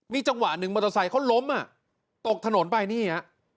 จังหวะหนึ่งมอเตอร์ไซค์เขาล้มอ่ะตกถนนไปนี่ฮะ